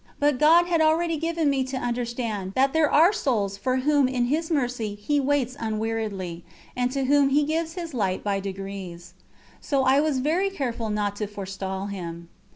But God had already given me to understand that there are souls for whom in His Mercy He waits unweariedly, and to whom He gives His light by degrees; so I was very careful not to forestall Him.